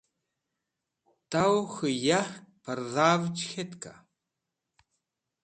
Tawẽ k̃hũ yark pẽrdhavj k̃hetka?